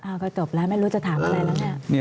ก็จบแล้วไม่รู้จะถามอะไรแล้วเนี่ย